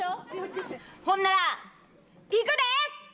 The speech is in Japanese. ほんならいくで！